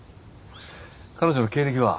彼女の経歴は？